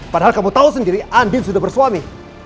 padahal kamu tahu sendiri andin sudah bersuami